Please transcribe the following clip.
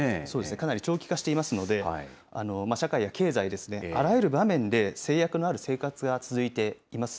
かなり長期化していますので、社会や経済ですね、あらゆる場面で、制約のある生活が続いています。